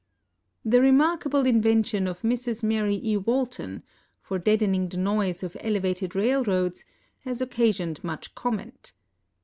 The remarkable invention of Mrs. Mary E. Walton, for dead ening the noise of elevated railroads, has occasioned much com ment.